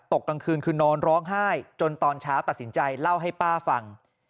กลางคืนคือนอนร้องไห้จนตอนเช้าตัดสินใจเล่าให้ป้าฟัง